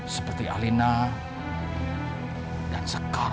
seperti alina dan sekar